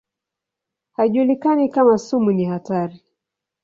Haijulikani kama sumu ni hatari.